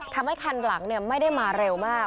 ทำให้คันหลังไม่ได้มาเร็วมาก